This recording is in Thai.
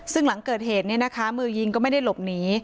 ซึ่งหลังเกิดเหตุมือยิงก็ไม่ได้หลบหนี